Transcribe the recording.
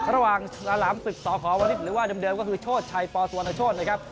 ระหว่างฉลามศึกสควรวนิษฐ์หรือว่าเดิมก็คือโชชชัยปสวนโชชนะครับ